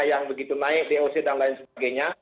yang begitu naik doc dan lain sebagainya